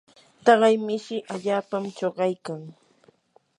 taqay mishi allaapam chuqaykan.